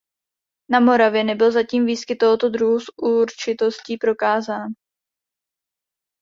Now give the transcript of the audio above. Na Moravě nebyl zatím výskyt tohoto druhu s určitostí prokázán.